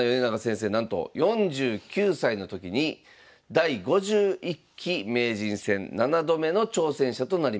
なんと４９歳の時に第５１期名人戦７度目の挑戦者となりました。